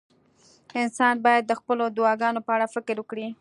انسان باید د خپلو دعاګانو په اړه فکر وکړي.